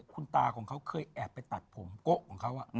คุณตาของเขาเคยแอบไปตัดผมโกะของเขา